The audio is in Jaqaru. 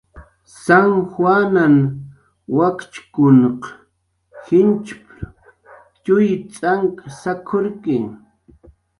"San juanahn wakchkunq jinchp""rw txuy t'ank sak""urki "